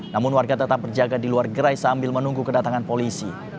namun warga tetap berjaga di luar gerai sambil menunggu kedatangan polisi